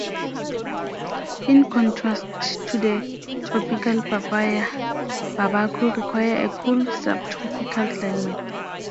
In contrast to the tropical papaya, babaco require a cool subtropical climate.